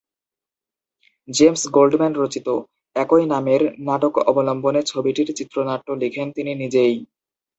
James Goldman রচিত "একই নামের" নাটক অবলম্বনে ছবিটির চিত্রনাট্য লিখেন তিনি নিজেই।